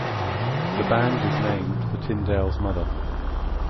The band is named for Tindale's mother.